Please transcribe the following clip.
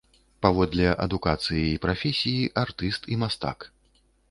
Паводле адукацыі і прафесіі артыст і мастак.